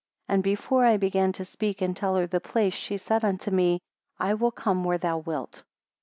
And before I began to speak and tell her the place, she said unto me; I will come where thou wilt.